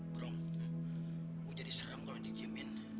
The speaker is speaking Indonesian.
bro gue jadi serem kalau digemin